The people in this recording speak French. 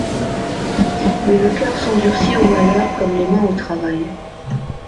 Mais le cœur s'endurcit au malheur comme les mains au travail.